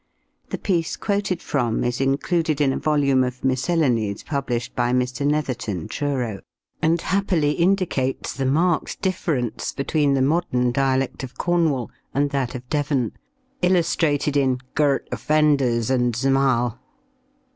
The piece quoted from is included in a volume of miscellanies published by Mr. Netherton, Truro, and happily indicates the marked difference between the modern dialect of Cornwall and that of Devon, illustrated in "Girt Ofvenders an' Zmal."